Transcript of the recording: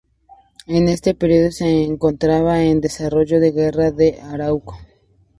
En ese periodo se encontraba en desarrollo la Guerra de Arauco.